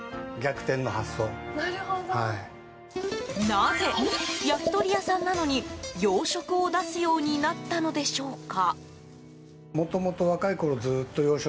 なぜ、焼き鳥屋さんなのに洋食を出すようになったのでしょうか。